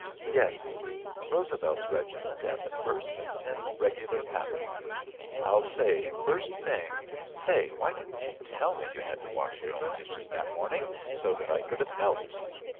Yes. Roosevelt's regiment and the First and Tenth Regular Cavalry. I'll say, first thing: "Say, why didn't you tell me you had to wash your own dishes, that morning, so that I could have helped?"